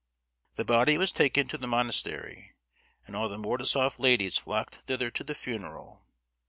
The body was taken to the monastery, and all the Mordasof ladies flocked thither to the funeral.